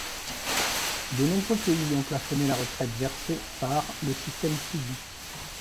De nombreux pays ont plafonné la retraite versée par le système public.